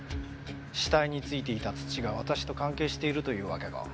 死体についていた土が私と関係しているというわけか。